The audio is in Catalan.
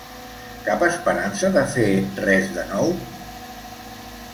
Cap esperança de fer res de nou?